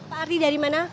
pak ardi dari mana